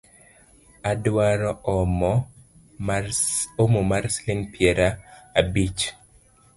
Adwaro omo mar siling’ piero abich